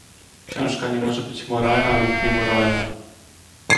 Książka nie może być moralna lub niemoralna.